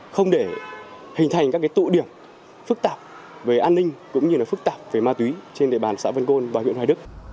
không để hình thành các tụ điểm phức tạp về an ninh cũng như phức tạp về ma túy trên địa bàn xã vân côn và huyện hoài đức